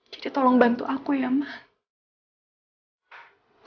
jadi tolong bantu aku ya mak